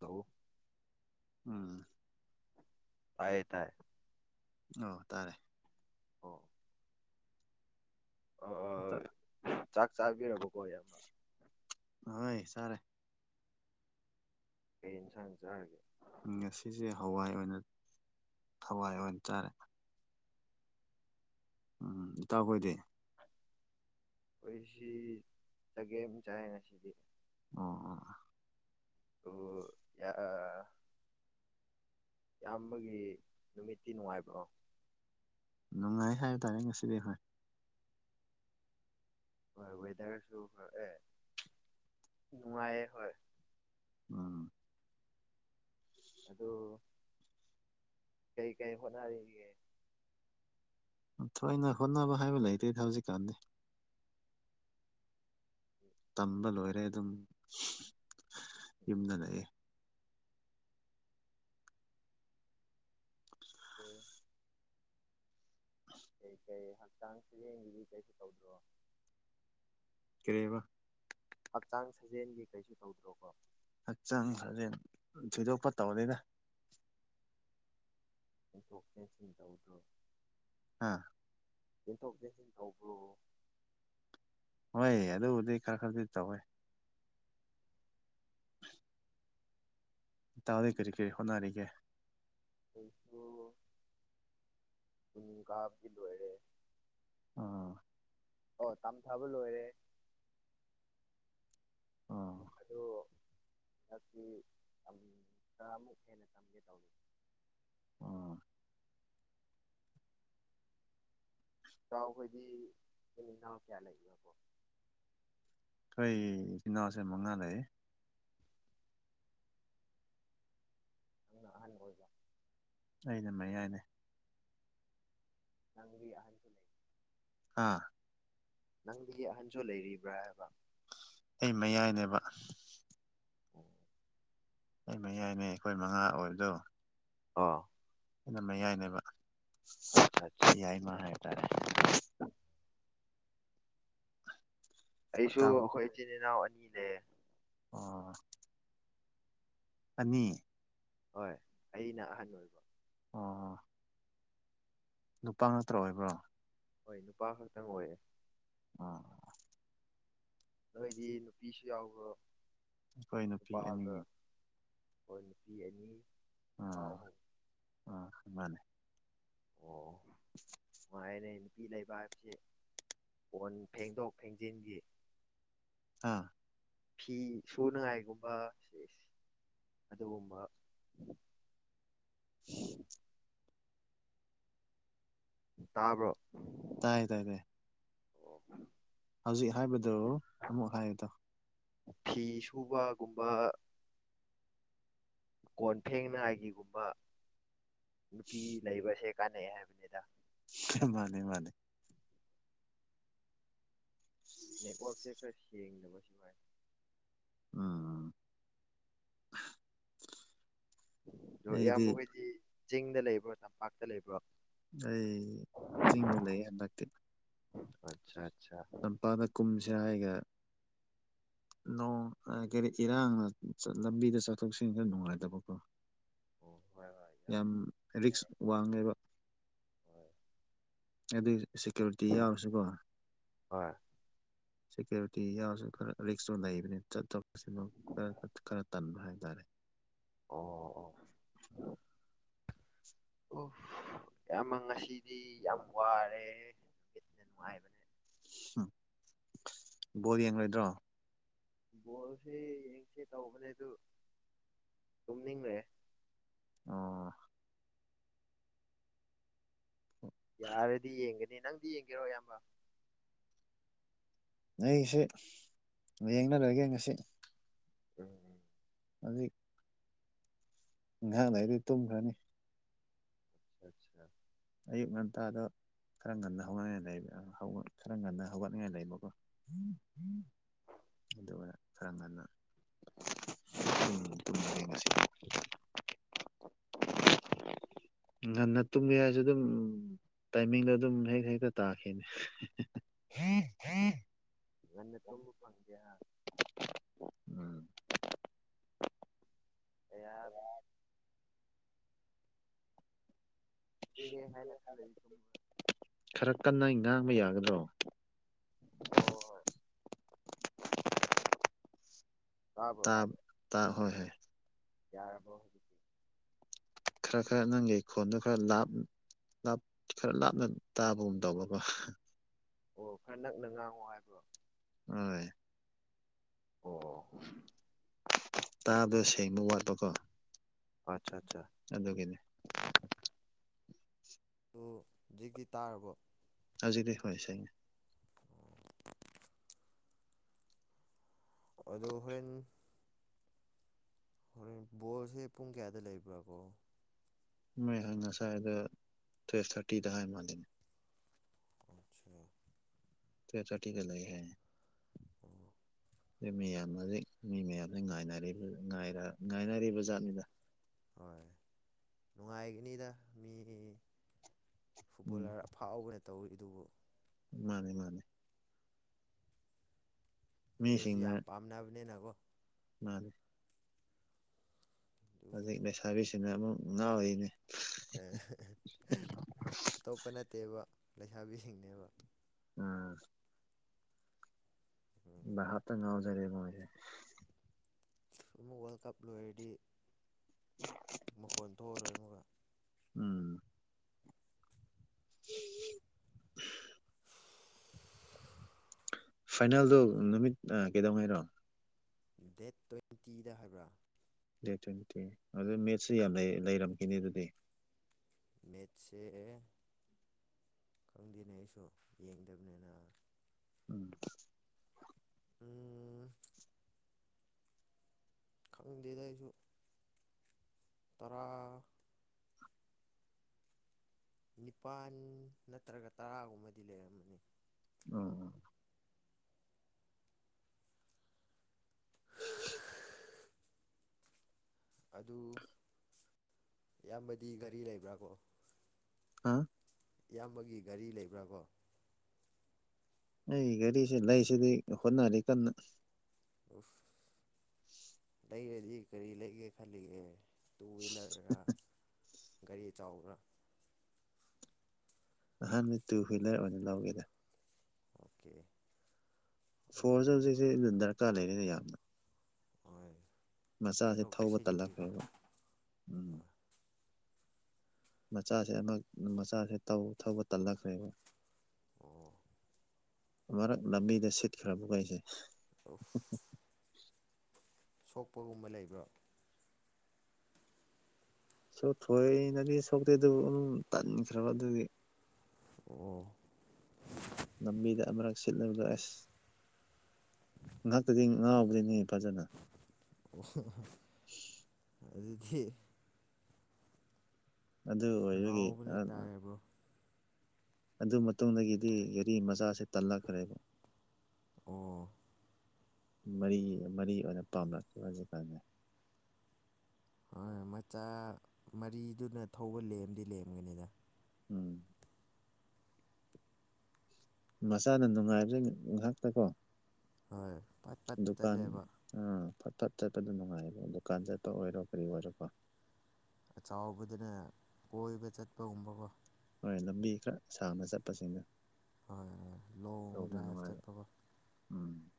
hello ꯎꯝ ꯇꯥꯏ ꯇꯥꯏ ꯑꯣ ꯇꯥꯔꯦ ꯑꯣ ꯑꯇ [inaudible] ꯆꯥꯛ ꯆꯥꯕꯤꯔꯕꯀꯣ ꯌꯥꯝ ꯍꯣꯏ ꯆꯥꯔꯦ ꯀꯩ ꯏꯟꯁꯥꯡ ꯆꯥꯔꯒꯦ ꯉꯁꯤꯁꯦ ꯍꯋꯥꯏ ꯑꯣꯏꯅ ꯍꯋꯥꯏ ꯑꯣꯏꯅ ꯆꯥꯔꯦ ꯎꯝ ꯏꯇꯥꯎ ꯈꯣꯏꯗꯤ ꯑꯩꯈꯣꯏ ꯁꯤ ꯆꯒꯦꯝ ꯆꯥꯏꯅ ꯉꯁꯤꯗꯤ ꯑꯣ ꯑꯣ ꯑꯣ ꯌꯥ ꯏꯌꯥꯝꯕꯒꯤ ꯅꯨꯃꯤꯠꯇꯤ ꯅꯨꯡꯉꯥꯏꯕ꯭ꯔꯣ ꯅꯨꯡꯉꯥꯏ ꯍꯥꯏꯇꯥꯔꯦ ꯉꯁꯤꯗꯤ ꯑꯩ ꯍꯣꯢ ꯍꯣꯏ ꯋꯦꯗꯔꯁꯨ ꯑꯦ ꯅꯨꯡꯉꯥꯏꯌꯦ ꯍꯣꯏ ꯎꯝ ꯑꯗꯣ ꯀꯩ ꯀꯩ ꯍꯣꯠꯅꯔꯤꯀꯦ ꯊꯣꯏꯅ ꯍꯣꯠꯅꯕ ꯍꯥꯏꯕ ꯂꯩꯇꯦꯗ ꯍꯧꯖꯤꯛꯀꯥꯟꯗꯤ ꯇꯝꯕ ꯂꯣꯏꯔꯦ ꯑꯗꯨꯝ ꯌꯨꯝꯗ ꯂꯩꯑꯦ ꯑꯣ ꯀꯩ ꯀꯩ ꯍꯛꯆꯥꯡ ꯁꯔꯦꯡꯒꯤꯗꯤ ꯀꯩꯁꯨ ꯇꯧꯗ꯭ꯔꯣ ꯀꯔꯦꯕ ꯍꯛꯆꯥꯡ ꯁꯥꯖꯦꯜꯒꯤ ꯀꯩꯁꯨ ꯇꯧꯗ꯭ꯔꯣ ꯀꯣ ꯍꯛꯆꯥꯡ ꯐꯖꯦꯟ ꯊꯤꯗꯣꯛꯄ ꯇꯧꯗꯦꯗ ꯑꯗꯨꯊꯣꯛ ꯀꯦꯟꯁꯦꯜ ꯇꯧꯗ꯭ꯔꯣ ꯑꯥ ꯌꯦꯟꯊꯣꯛꯀꯦ ꯇꯧꯕꯔꯣ ꯍꯣꯏ ꯑꯗꯨꯕꯨꯗꯤ ꯈꯔ ꯈꯔꯗꯤ ꯇꯧꯋꯦ ꯇꯥꯗꯩ ꯀꯔꯤ ꯀꯔꯤ ꯍꯣꯠꯅꯔꯤꯒꯦ ꯑꯩꯁꯨ ꯅꯣꯡ ꯇꯥꯕꯗ ꯂꯣꯢꯂꯦ ꯑꯣ ꯑꯣ ꯇꯝꯊꯥꯕ ꯂꯣꯏꯔꯦ ꯑꯣ ꯑꯗꯨ ꯍꯟꯗꯤ ꯇꯔꯥꯃꯨꯛ ꯍꯦꯟꯅ ꯆꯝꯒꯦ ꯇꯧꯔꯤ ꯑꯣ ꯆꯈꯣꯏꯗꯤ ꯏꯤꯟ ꯏꯅꯥꯎ ꯀꯌꯥ ꯂꯩꯕꯀꯣ ꯑꯩꯈꯣꯏ ꯏꯆꯤꯟ ꯏꯅꯥꯎꯁꯦ ꯃꯉꯥ ꯂꯩ ꯅꯪꯅ ꯑꯍꯥꯟꯕ ꯑꯣꯏꯖꯕ ꯑꯩꯅ ꯃꯌꯥꯏꯅꯦ ꯂꯪꯕꯤ ꯑꯍꯟꯁꯨ ꯂꯩ ꯑꯥ ꯅꯪ ꯑꯍꯟꯁꯨ ꯂꯩꯔꯤꯕ꯭ꯔꯥ ꯍꯥꯏꯕ ꯑꯩ ꯃꯌꯥꯏꯅꯦꯕ ꯎ [inaudible] ꯑꯩ ꯃꯌꯥꯏꯅꯦ ꯑꯩꯈꯣꯏ ꯃꯉꯥ ꯑꯣꯏꯕꯗꯣ ꯑꯥ ꯑꯩꯅ ꯃꯌꯥꯏꯅꯦꯕ ꯌꯥꯌꯥꯏꯃ ꯍꯥꯏꯇꯥꯔꯦ ꯑ [inaudible] ꯑꯩꯁꯨ ꯏꯇꯥꯎ ꯑꯩꯈꯣꯏ ꯏꯆꯤꯟ ꯏꯅꯥꯎ ꯑꯅꯤꯅꯦ ꯑꯣ ꯑꯅꯤ ꯍꯣꯏ ꯑꯩꯅ ꯑꯍꯟ ꯑꯣꯏꯕ ꯑꯣ ꯂꯨꯄꯥ ꯅꯠꯇ꯭ꯔ ꯑꯣꯏꯕ꯭ꯔꯣ ꯍꯣꯏ ꯅꯨꯄꯥ ꯈꯛꯇꯪ ꯑꯣꯏꯌꯦ ꯑꯥ ꯅꯣꯏꯗꯤ ꯅꯨꯄꯤꯁꯨ ꯌꯥꯎꯕ ꯑꯩꯈꯣꯏ ꯅꯨꯄꯤ ꯑꯅꯤ ꯅꯨꯄꯥꯒ ꯑꯩꯈꯣꯏ ꯅꯨꯄꯤ ꯑꯅꯤ ꯅꯨꯄꯥ ꯑꯥ ꯑꯍꯨꯝ ꯑꯥ ꯃꯥꯅꯦ ꯑꯣ [inaudible] ꯁꯥꯏꯅꯩ ꯅꯨꯄꯤ ꯂꯩꯕ ꯍꯥꯏꯕꯁꯤ ꯐꯣꯟ ꯐꯦꯡꯗꯣꯛ ꯐꯦꯡꯖꯤꯟꯈꯤ ꯑꯥ ꯐꯤ ꯁꯨꯅꯉꯥꯏꯒꯨꯝꯕ ꯑꯗꯨꯒꯨꯝꯕ ꯇꯥꯕ꯭ꯔꯣ ꯇꯥꯏ ꯇꯥꯏ ꯑꯣ ꯍꯧꯖꯤꯛ ꯍꯥꯏꯕꯗꯨꯣ ꯑꯃꯨꯛ ꯍꯥꯏꯌꯨꯗ ꯐꯤ ꯁꯨꯕꯒꯨꯝꯕ ꯀꯣꯟꯊꯦꯡꯅꯏꯒꯤꯒꯨꯝꯕ ꯅꯨꯄꯤ ꯂꯩꯕꯁꯦ ꯀꯥꯟꯅꯑꯦ ꯍꯥꯏꯕꯅꯤꯗ ꯃꯥꯅꯦ ꯃꯥꯅꯦ ꯅꯦꯠꯋꯛꯁꯦ ꯈꯔ ꯁꯦꯡꯅꯕ ꯁꯨꯃꯥꯏ ꯎꯝ ꯑꯗꯣ ꯏꯌꯥꯝꯕ ꯑꯩꯗꯤ ꯑꯩꯈꯣꯏꯗꯤ ꯆꯤꯡꯗ ꯂꯩꯕ꯭ꯔꯣ ꯇꯝꯄꯥꯛꯇ ꯂꯩꯕ꯭ꯔꯣ ꯑꯩ ꯆꯤꯡꯗ ꯂꯩ ꯍꯟꯗꯛꯇꯤ ꯑꯆꯥ ꯇꯝꯄꯥꯛꯗ ꯀꯨꯝꯁꯦ ꯍꯥꯏꯒ ꯅꯣꯡ ꯀꯔꯤ ꯏꯔꯥꯡꯅ ꯂꯝꯕꯤꯗ ꯆꯠꯊꯣꯛ ꯆꯠꯁꯤꯗ ꯅꯨꯡꯉꯥꯏꯇꯕꯀꯣ ꯑꯣ ꯍꯣꯢ ꯍꯣꯢ ꯌꯥꯝ ꯔꯤꯛꯁ ꯋꯥꯡꯉꯦꯕ ꯍꯣꯏ ꯑꯗꯨ ꯁꯦꯀ꯭ꯌꯨꯔꯤꯇꯤ ꯌꯥꯎꯔꯁꯨꯀꯣ ꯍꯣꯏ ꯁꯦꯀ꯭ꯌꯨꯔꯤꯇꯤ ꯌꯥꯎꯔꯁꯨ ꯈꯔ ꯔꯤꯛꯁꯇ ꯂꯩꯕꯅꯤ ꯆꯠꯇꯣꯄꯁꯤꯃꯛ ꯈꯔ ꯈꯔ ꯇꯟꯕ ꯍꯥꯏꯇꯥꯔꯦ ꯑꯣ ꯑꯣ ꯑꯣ ꯏꯃ ꯉꯁꯤꯗꯤ ꯌꯥꯝ ꯋꯥꯔꯦ ꯍꯦꯟꯅ ꯅꯨꯡꯉꯥꯏꯕꯅꯤ ꯎ ꯕꯣꯜ ꯌꯦꯡꯉꯣꯏꯗ꯭ꯔꯣ ꯕꯣꯜꯁꯤꯦ ꯌꯦꯡꯁꯦ ꯇꯧꯕꯅꯦ ꯑꯗꯨ ꯇꯨꯝꯅꯤꯡꯂꯦ ꯑꯣ ꯌꯥꯔꯗꯤ ꯌꯦꯡꯒꯅꯤ ꯅꯪ ꯗꯤ ꯌꯦꯡꯒꯦꯔꯣ ꯑꯌꯥꯝꯕ ꯑꯩꯁꯤ ꯌꯦ ꯌꯦꯡꯅꯔꯣꯏꯒꯦ ꯉꯁꯤ ꯎꯝ ꯍꯧꯖꯤꯛ ꯉꯥꯢꯍꯥꯛ ꯂꯩꯔꯗꯤ ꯇꯨꯝꯈꯔꯅꯤ ꯑꯆꯥ ꯑꯌꯨꯛ ꯉꯟꯇꯥꯗ ꯈꯔ ꯉꯟꯅ ꯍꯧꯅꯤꯡꯉꯥꯏ ꯂꯩꯕ ꯈꯔ ꯉꯟꯅ ꯍꯧꯒꯠꯅꯤꯡꯉꯥꯏ ꯂꯩꯕꯀꯣ ꯑꯗꯨꯒ ꯈꯔ ꯉꯟꯅ ꯇꯨꯝꯃꯅꯤ ꯉꯁꯤ [unintelligible] ꯉꯟꯅ ꯇꯨꯝꯒꯦ ꯍꯥꯏꯁꯨ ꯑꯗꯨꯝ ꯇꯥꯏꯃꯤꯡꯗꯣ ꯑꯗꯨꯝ ꯍꯦꯛ ꯍꯦꯛꯇ ꯇꯥꯈꯤꯅꯦ ꯉꯥꯟꯅ ꯇꯨꯝꯕ ꯐꯪꯗꯦꯍꯥ ꯎꯝ ꯌꯥ ꯌꯥꯕ [inaudible] ꯍꯪꯦ ꯍꯥꯏꯅ ꯈꯜꯂꯔꯤ ꯁꯨꯝ [inaudible] ꯈꯔ ꯀꯟꯅ ꯉꯥꯡꯕ ꯌꯥꯒꯗ꯭ꯔꯣ ꯑꯣ ꯍꯣꯏ ꯇꯥꯕ꯭ꯔꯣ ꯇꯥ ꯇꯥ ꯍꯣꯏ ꯍꯣꯏ ꯌꯥꯔꯕꯣ ꯈꯔ ꯈꯔ ꯅꯪꯒꯤ ꯈꯣꯟꯗꯣ ꯈꯔ ꯂꯥꯞ ꯂꯥꯞ ꯈꯔ ꯂꯥꯞꯅ ꯇꯥꯕꯒꯨꯝ ꯇꯧꯕꯀꯣ ꯑꯣ ꯈꯔ ꯅꯛꯅ ꯉꯥꯡꯉꯣ ꯍꯥꯏꯕ꯭ꯔꯣ ꯍꯣꯢ ꯑꯣ ꯇꯥꯗꯣ ꯁꯦꯡꯕ ꯋꯥꯠꯄꯀꯣ ꯑꯠꯆꯥ ꯑꯠꯆꯥ ꯑꯗꯨꯒꯤꯅꯤ ꯑꯗꯨ ꯍꯧꯖꯤꯛꯀꯤ ꯇꯥꯔꯕꯣ ꯍꯧꯖꯤꯛꯗꯤ ꯁꯦꯡꯉꯦ ꯑꯗꯨ ꯍꯣꯔꯦꯟ ꯍꯣꯔꯦꯟ ꯕꯣꯔꯁꯦ ꯄꯨꯡ ꯀꯌꯥꯗ ꯂꯩꯕ꯭ꯔꯥ ꯀꯣ ꯃꯣꯏꯍ ꯉꯁꯥꯏꯗ ꯇꯨꯌꯦꯜꯐ ꯊꯥꯔꯇꯤꯗ ꯍꯥꯏ ꯃꯥꯜꯂꯤꯅꯦ ꯑꯆꯥ ꯇꯨꯋꯤꯞ ꯊꯥꯔꯇꯤꯗ ꯂꯩ ꯍꯥꯏꯌꯦ ꯑꯣ ꯑꯩ ꯃꯤꯌꯥꯝ ꯍꯧꯖꯤꯛ ꯃꯤ ꯃꯌꯥꯝꯁꯤ ꯉꯥꯏꯅꯔꯤꯕ ꯉꯥꯏꯅꯔꯤꯕ ꯖꯥꯠꯅꯤꯗ ꯍꯣꯏ ꯅꯨꯡꯉꯥꯏꯒꯅꯤꯗ ꯃꯤ ꯎꯝ ꯐꯨꯠꯕꯣꯂꯥꯔ ꯐꯥꯎꯕꯅ ꯇꯧꯋꯤ ꯑꯗꯨꯕꯨ ꯃꯥꯅꯦ ꯃꯥꯅꯦ ꯃꯤꯅꯁꯨ ꯃꯤꯁꯤꯡꯅ ꯌꯥꯝ ꯄꯥꯝꯅꯕꯅꯤꯅꯀꯣ ꯃꯥꯅꯤ ꯑꯗꯨ ꯍꯧꯖꯤꯛ ꯂꯩꯁꯥꯕꯤꯁꯤꯅ ꯑꯃꯨꯛ ꯉꯥꯎꯔꯤꯅꯦ ꯑꯇꯣꯞꯄ ꯅꯠꯇꯦꯕ ꯂꯩꯁꯥꯕꯤꯁꯤꯡꯅꯦꯕ ꯎꯝ ꯎꯝ ꯚꯥꯞꯇ ꯉꯥꯎꯖꯔꯦꯕ ꯃꯣꯏꯁꯦ ꯁꯨꯃ ꯋꯥꯔꯦꯜꯜꯠ ꯀꯞ ꯂꯔꯗꯤ [inaudible] ꯃꯈꯣꯟ ꯊꯣꯛꯑꯔꯣꯏ ꯑꯃꯨꯒ ꯎꯝ ꯐꯥꯏꯅꯦꯜꯗꯣ ꯅꯨꯃꯤꯠ ꯀꯩꯗꯧꯉꯩꯔꯣ ꯗꯦꯠ ꯇ꯭ꯋꯦꯟꯇꯤꯗ ꯍꯥꯏꯕ꯭ꯔꯥ ꯗꯦꯠ ꯇ꯭ꯋꯦꯟꯇꯤ ꯑꯗꯨ ꯃꯦꯠꯁꯨ ꯌꯥꯝ ꯂꯩꯔꯝꯈꯤꯅꯤ ꯑꯗꯨꯗꯤ ꯃꯦꯠꯆꯦ ꯈꯪꯗꯦꯅꯦ ꯑꯩꯁꯨ ꯌꯦꯡꯗꯕꯅꯤꯅ ꯎꯝ ꯎꯝ ꯈꯪꯅꯤꯡꯗꯦꯗ ꯑꯩꯁꯨ ꯇꯔꯥ ꯅꯤꯄꯥꯜ ꯅꯠꯇ꯭ꯔꯒ ꯇꯔꯥꯒꯨꯝꯕꯗꯤ ꯂꯩꯔꯝꯃꯅꯤ ꯑꯣ ꯑꯗꯨ ꯏꯌꯥꯝꯕꯗꯤ ꯒꯥꯔꯤ ꯂꯩꯕ꯭ꯔꯥ ꯀꯣ ꯑ ꯏꯌꯥꯝꯕꯒꯤ ꯒꯥꯔꯤ ꯂꯩꯕ꯭ꯔꯥꯕꯣ ꯑꯩ ꯘꯔꯤꯁꯤꯦ ꯂꯩꯁꯤꯗꯤ ꯍꯣꯠꯅꯔꯤ ꯀꯟꯅ ꯑꯣꯐ ꯂꯩꯔꯗꯤ ꯀꯔꯤ ꯂꯩꯒꯦ ꯈꯜꯂꯤꯒꯦ ꯇꯨ ꯍꯋ꯭ꯋꯤꯂꯔꯔ ꯒꯥꯔꯤ ꯆꯥꯎꯕ꯭ꯔꯥ ꯑꯍꯥꯟꯕ ꯇꯨ ꯍ꯭ꯋꯤꯂꯔ ꯑꯣꯏꯅ ꯂꯧꯒꯦꯗ ꯑꯣꯀꯦ ꯑꯗꯨ ꯐꯣꯔꯁꯦ ꯍꯧꯖꯤꯛꯁꯦ ꯑꯗꯨꯝ ꯗꯔꯀꯥꯔ ꯂꯩꯔꯤꯦꯅꯦ ꯌꯥꯝꯅ ꯍꯣꯏ ꯃꯆꯥꯁꯦ ꯆꯠꯊꯣꯛ ꯊꯧꯕ ꯆꯠꯁꯤꯟꯒꯤꯀꯣ ꯇꯜꯂꯛꯈ꯭ꯔꯦꯕ ꯎꯝ ꯍꯣꯏ ꯃꯆꯥꯁꯦ ꯑꯃꯨꯛ ꯃꯆꯥꯁꯦꯧ ꯊꯧꯕ ꯇꯜꯂꯛꯈ꯭ꯔꯦꯕ ꯑꯣ ꯃꯔꯛ ꯂꯝꯕꯤꯗ ꯁꯤꯠꯈ꯭ꯔꯕꯈꯩꯁꯦ ꯑꯣꯐ ꯁꯣꯛꯄꯒꯨꯝꯕ ꯂꯩꯕ꯭ꯔꯣ ꯁꯣꯛꯊꯣꯏꯅꯗꯤ ꯁꯣꯛꯇꯦ ꯑꯗꯨꯕꯨ ꯑꯗꯨꯝ ꯇꯟꯈ꯭ꯔꯕ ꯑꯗꯨꯒꯤ ꯑꯣ ꯂꯝꯕꯤꯗ ꯑꯃꯔꯛ ꯁꯤꯠꯂꯕꯗ ꯑꯁ ꯉꯥꯏꯍꯥꯛꯇꯗꯤ ꯉꯥꯎꯕꯗꯤꯅꯤ ꯐꯖꯅ ꯑꯣ [unintelligible] ꯑꯗꯨꯗꯤ ꯑꯗꯨ ꯑꯣꯏꯕꯒꯤ ꯉꯥꯎꯕꯅ ꯇꯥꯔꯦ ꯕ꯭ꯔꯣ ꯑꯗꯨ ꯃꯇꯨꯡꯗꯒꯤꯗꯤ ꯒꯥꯔꯤ ꯃꯆꯥꯁꯦ ꯇꯜꯂꯛꯈ꯭ꯔꯦꯕ ꯑꯣ ꯃꯔꯤ ꯃꯔꯤ ꯑꯣꯏꯅ ꯄꯥꯝꯅꯛꯀ ꯍꯧꯖꯤꯛ ꯀꯥꯟꯗ ꯃꯆꯥ ꯃꯔꯤꯗꯨꯅ ꯊꯧꯕ ꯂꯦꯝꯗꯤ ꯂꯦꯝꯒꯅꯤꯗ ꯎꯝ ꯃꯆꯥꯅ ꯅꯨꯡꯉꯥꯏꯕ ꯉꯥꯛꯇ ꯀꯣ ꯍꯣꯏ ꯄꯠ ꯄꯠ ꯆꯠꯂꯦꯕ ꯎꯝ ꯐꯠ ꯐꯠ ꯆꯠꯄꯗꯣ ꯅꯨꯡꯉꯥꯏꯌꯦꯕꯣ ꯗꯨꯀꯥꯟ ꯆꯠꯄ ꯑꯣꯏꯔꯣ ꯀꯔꯤ ꯑꯣꯏꯔꯣꯀꯣ ꯆꯥꯎꯕꯗꯅ ꯀꯣꯏꯕ ꯆꯠꯄꯒꯨꯝꯕꯀꯣ ꯍꯣꯏ ꯂꯝꯕꯤ ꯈꯔ ꯁꯥꯡꯅ ꯆꯠꯄꯁꯤꯡꯅ ꯍꯣꯏ ꯍꯣꯏ ꯂꯣꯡ ꯇꯧꯕꯅ ꯗ꯭ꯔꯥꯏꯚ ꯅꯨꯡꯉꯥꯏꯕ ꯆꯠꯄꯒꯣ ꯎꯝ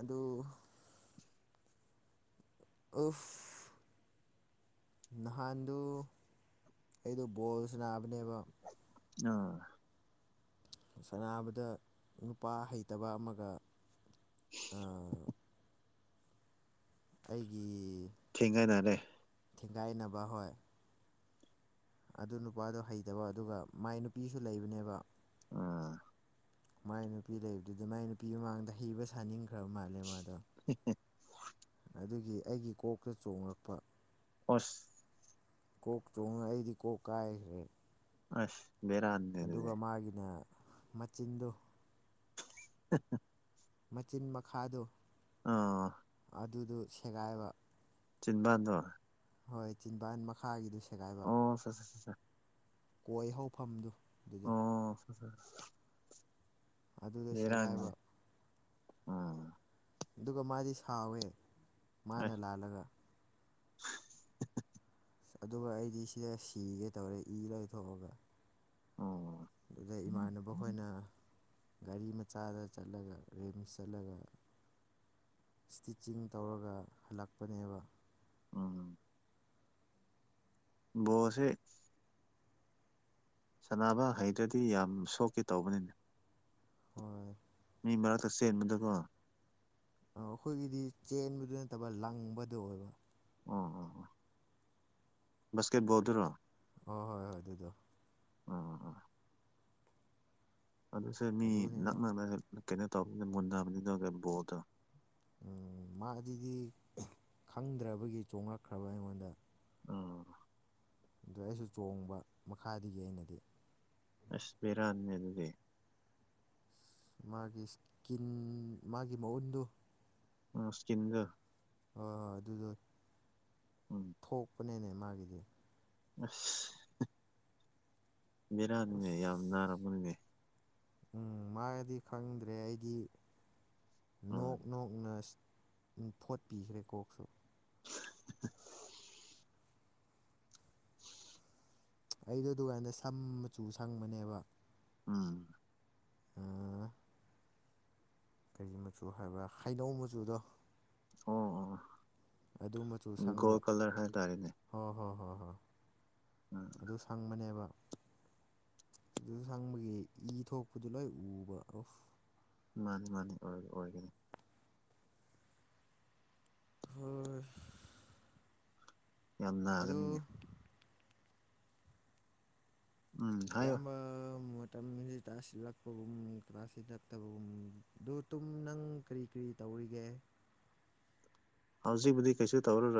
ꯑꯗꯨ ꯑꯣꯐ ꯅꯍꯥꯟꯗꯨ ꯑꯩꯗꯣ ꯕꯣꯜꯁꯨ ꯅꯥꯕꯅꯦꯕ ꯑ ꯁꯅꯥꯅꯕꯗ ꯅꯨꯄꯥ ꯍꯩꯇꯕ ꯑꯃꯒ ꯑꯩꯒꯤ ꯊꯦꯡꯒꯥꯏꯅꯥꯔꯦ ꯊꯤꯡꯒꯥꯏꯅꯕ ꯍꯣꯏ ꯑꯗꯨ ꯅꯨꯄꯥꯗꯣ ꯍꯩꯇꯕ ꯑꯗꯨꯒ ꯃꯥꯏ ꯅꯨꯄꯤꯁꯨ ꯂꯩꯕꯅꯦꯕ ꯑ ꯃꯥꯏ ꯅꯨꯄꯤ ꯂꯩꯕꯗꯨꯗ ꯃꯥꯏ ꯅꯨꯄꯤ ꯃꯃꯥꯡꯗ ꯍꯩꯕ ꯁꯥꯅꯤꯡꯈ꯭ꯔꯕ ꯃꯥꯜꯂꯦ ꯃꯥꯗꯣ ꯎꯝ ꯎꯝ ꯑꯗꯨꯒꯤ ꯑꯩꯒꯤ ꯀꯣꯛꯇ ꯆꯣꯡꯂꯛꯄ ꯑꯁ ꯀꯣꯛ ꯆꯣꯡꯉ ꯑꯩꯗꯤ ꯀꯣꯛ ꯀꯥꯏꯈ꯭ꯔꯦ ꯑꯁ ꯕꯦꯔꯥꯅꯤ ꯑꯗꯨꯒ ꯃꯥꯒꯤꯅ ꯃꯆꯤꯟꯗꯣ ꯍꯥ ꯍꯥ ꯃꯆꯤꯟ ꯃꯈꯥꯗꯨ ꯑꯣ ꯑꯗꯨꯗꯨ ꯁꯦꯒꯥꯏꯕ ꯆꯤꯟꯕꯥꯟꯗꯣ ꯍꯣꯏ ꯆꯤꯟꯕꯥꯥꯟ ꯃꯈꯥꯒꯤꯗꯨꯁꯨ ꯑꯣ ꯑꯆꯥ ꯀꯣꯏ ꯍꯧꯐꯝꯗꯨ ꯑꯗꯨꯗꯣ ꯎ [inaudible] ꯑꯗꯨꯗ ꯁꯦꯒꯥꯏꯕ ꯑꯥ ꯑꯗꯨꯒ ꯃꯥꯗꯤ ꯁꯥꯎꯋꯦ ꯃꯥꯅ ꯑꯁ ꯂꯥꯜꯂꯒ [inaudible] ꯑꯗꯨꯒ ꯑꯩꯗꯤ ꯁꯤꯗ ꯁꯤꯒꯦ ꯇꯧꯔꯦ ꯏ ꯂꯣꯏꯊꯣꯛꯑꯒ ꯑꯣ ꯑꯗꯨꯗ ꯏꯃꯥꯟꯅꯕ ꯑꯩꯈꯣꯏꯅ ꯒꯥꯔꯤ ꯃꯆꯥꯗ ꯆꯠꯂꯒ ꯔꯤꯝꯁ ꯆꯠꯂꯒ ꯏꯁꯇꯤꯆꯤꯡ ꯇꯧꯔꯒ ꯍꯜꯂꯛꯄꯅꯦꯕ ꯎꯝ ꯄꯣꯜꯁꯦ ꯁꯅꯥꯅꯕꯍꯩꯗ꯭ꯔꯗꯤ ꯌꯥꯝ ꯁꯣꯛꯀꯦ ꯇꯧꯕꯅꯤꯅꯦ ꯍꯣꯢ ꯃꯤ ꯃꯔꯛꯇ ꯆꯦꯟꯕꯗꯀꯣ ꯑꯩꯈꯣꯏꯒꯤꯗꯤ ꯆꯦꯟꯕꯗꯨ ꯅꯠꯇꯕ ꯂꯪꯕꯗꯣ ꯑꯣꯏꯕ ꯑꯣ ꯑꯣ ꯕꯥꯁꯀꯦꯠꯕꯣꯜꯗꯨꯔꯣ ꯑꯣ ꯍꯣꯏ ꯍꯣꯏ ꯑꯗꯨꯗꯣ ꯑꯣ ꯑꯗꯨ ꯁꯦ ꯃꯤ ꯑꯗꯨꯅꯤꯗ ꯅꯛꯅꯕ ꯀꯩꯅꯣ ꯇꯧꯕꯅꯤꯅ ꯃꯨꯟꯅꯕꯅꯤꯅ ꯇꯧ ꯕꯣꯜꯗꯣ ꯃꯥ ꯑꯗꯨꯗꯤ ꯈꯪꯗ꯭ꯔꯕꯒꯤ ꯆꯣꯡꯂꯛꯈ꯭ꯔꯕ ꯑꯩꯉꯣꯟꯗ ꯑꯝ ꯑꯗ ꯑꯩꯁꯨ ꯆꯣꯡꯕ ꯃꯈꯥꯗꯒꯤ ꯑꯩꯅꯗꯤ ꯑꯁ ꯄꯔꯥꯅꯤ ꯑꯗꯨꯗꯤ ꯃꯥꯒꯤ ꯏꯁꯀꯤꯟ ꯃꯥꯒꯤ ꯃꯎꯟꯗꯨ ꯎ ꯁꯤꯀꯤꯖ ꯍꯣꯏ ꯍꯣꯏ ꯑꯗꯨꯗꯣ ꯎꯝ ꯊꯣꯛꯄꯅꯦꯅꯦ ꯃꯥꯒꯤꯗꯤ ꯑꯁ ꯕꯤꯔꯥꯅꯤꯅꯦ ꯑꯁ ꯌꯥꯝ ꯅꯥꯔꯝꯕꯅꯤꯅꯦ ꯎꯝ ꯃꯥꯒꯤꯗꯤ ꯈꯪꯗ꯭ꯔꯦ ꯑꯩꯗꯤ ꯅꯣꯛ ꯎꯝ ꯅꯣꯛꯅ ꯝ ꯐꯣꯠ ꯄꯤꯈ꯭ꯔꯦ ꯀꯣꯛꯁꯨ [inaudible] ꯑꯩꯗꯣ ꯑꯗꯨꯗꯨꯀꯥꯟꯗ ꯁꯝ ꯃꯆꯨ ꯁꯪꯕꯅꯦꯕ ꯎꯝ ꯑꯥ ꯀꯔꯤ ꯃꯆꯨ ꯍꯥꯏꯕꯥ ꯍꯩꯅꯧ ꯃꯆꯨꯗꯣ ꯑꯣ ꯑꯣ ꯑꯗꯨ ꯃꯆꯨ ꯒꯣꯜ ꯁꯪꯕ ꯀꯂꯔ ꯍꯥꯏꯇꯥꯔꯦꯅꯦ ꯍꯣꯏ ꯍꯣꯏ ꯍꯣꯏ ꯍꯣꯏ ꯎꯝ ꯑꯗꯨ ꯁꯪꯕꯅꯦꯕ ꯑꯗꯨ ꯁꯪꯕꯒꯤ ꯏ ꯊꯣꯛꯄꯗꯨ ꯂꯣꯏ ꯎꯕ ꯑ ꯃꯥꯅꯤ ꯃꯥꯅꯤ ꯑꯣꯏ ꯑꯣꯏꯒꯅꯤ ꯍꯣꯏ ꯌꯥꯝ ꯑꯗꯣ ꯅꯥꯒꯅꯤꯉꯦ ꯎꯝ ꯍꯥꯏꯌꯣ ꯢꯌꯥꯝꯕ ꯇꯁꯤ ꯂꯛꯄꯨꯝꯁꯨꯝ ꯅꯪ ꯀꯔꯤ ꯀ꯭ꯔꯤ ꯇꯧꯔꯤꯒꯦ ꯍꯧꯖꯤꯛꯕꯨꯗꯤ ꯀꯩꯁꯨ ꯇꯧꯔꯔꯣꯏ